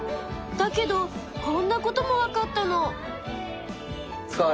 だけどこんなこともわかったの。